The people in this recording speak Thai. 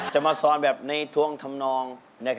จะมาซ้อนแบบในทวงทำนอง